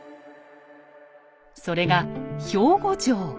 それが兵庫城。